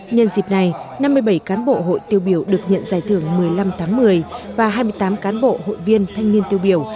nhân dịp này năm mươi bảy cán bộ hội tiêu biểu được nhận giải thưởng một mươi năm tháng một mươi và hai mươi tám cán bộ hội viên thanh niên tiêu biểu